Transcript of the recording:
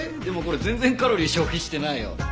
でもこれ全然カロリー消費してないよ。